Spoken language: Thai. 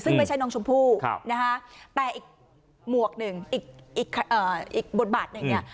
ซึ่งไม่ใช่น้องชมพู่นะคะแต่อีกหมวกหนึ่งอีกบทบาทหนึ่งเนี่ย